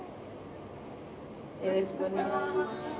よろしくお願いします。